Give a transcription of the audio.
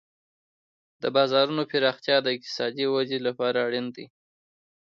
د بازارونو پراختیا د اقتصادي ودې لپاره اړین دی.